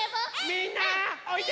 みんなおいで！